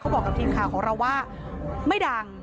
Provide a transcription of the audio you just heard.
บอกกับทีมข่าวของเราว่าไม่ดัง